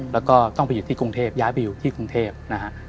แล้วก็ต้องไปอยู่ที่กรุงเทพย้ายไปอยู่ที่กรุงเทพนะฮะ